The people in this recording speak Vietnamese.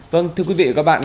vâng thưa quý vị các bạn